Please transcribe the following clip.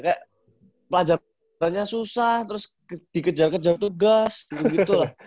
kayak pelajar pelajarannya susah terus dikejar kejar tugas gitu gitu lah